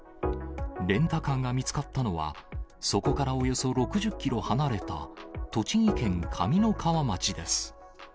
レンタカーが見つかったのは、そこからおよそ６０キロ離れた栃木県上三川町です。